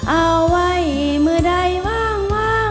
เอาไว้มือใดว่าง